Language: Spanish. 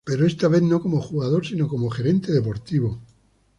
Pero esta vez no como jugador, sino como Gerente Deportivo.